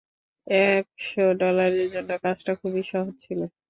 একশ ডলারের জন্য কাজটা খুবই সহজ ছিলো।